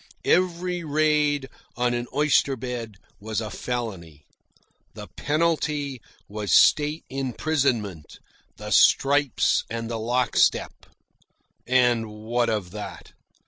Every raid on an oyster bed was a felony. The penalty was State imprisonment, the stripes and the lockstep. And what of that?